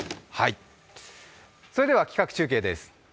それでは企画中継です。